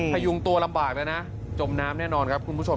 พยุงตัวลำบากแล้วนะจมน้ำแน่นอนครับคุณผู้ชม